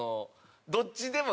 どっちでも。